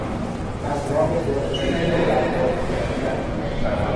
از راه قرعه کشی سرباز گزیدن